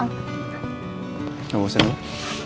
ya nggak usah